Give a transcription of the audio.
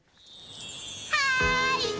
はい！